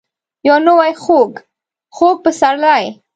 یو نوی خوږ. خوږ پسرلی ،